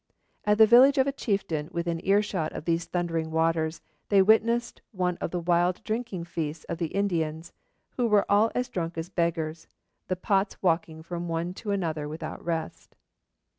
At the village of a chieftain within earshot of those thundering waters, they witnessed one of the wild drinking feasts of the Indians, who were 'all as drunk as beggars, the pots walking from one to another without rest.'